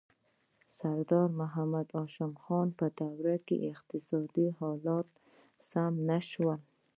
د سردار محمد هاشم خان په دوره کې اقتصادي حالات سم نه شول.